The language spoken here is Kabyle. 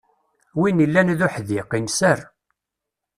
Win illan d uḥdiq, inser.